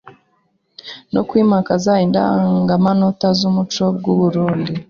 no kwimakaza indangamanota z’umuco w’u Burunndi